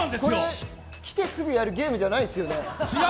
来てすぐやるゲームじゃないですよね。